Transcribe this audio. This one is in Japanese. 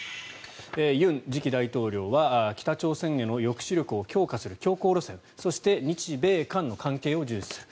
尹次期大統領は北朝鮮への抑止力を強化する強硬路線そして日米韓の関係を重視する。